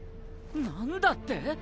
なんだって！？